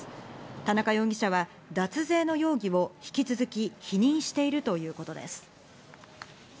田中容疑者は脱税の容疑を引き続き否認しているということです。